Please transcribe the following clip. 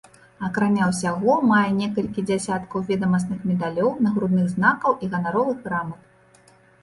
Акрамя ўсяго мае некалькі дзясяткаў ведамасных медалёў, нагрудных знакаў і ганаровых грамат.